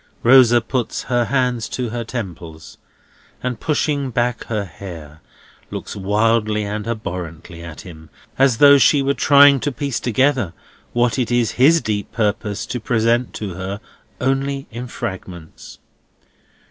Rosa puts her hands to her temples, and, pushing back her hair, looks wildly and abhorrently at him, as though she were trying to piece together what it is his deep purpose to present to her only in fragments.